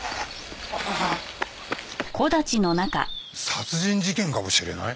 殺人事件かもしれない？